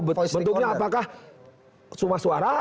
bentuknya apakah sumah suara